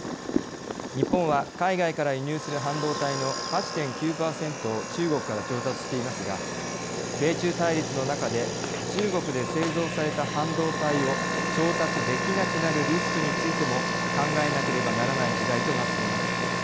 日本は海外から輸入する半導体の８．９％を中国から調達していますが米中対立の中で中国で製造された半導体を調達できなくなるリスクについても考えなければならない時代となっています。